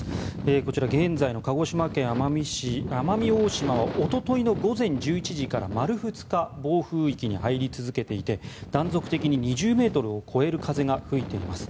こちら現在の鹿児島県奄美市、奄美大島おとといの午前１１時から丸２日、暴風域に入り続けていて断続的に２０ｍを超える風が吹いています。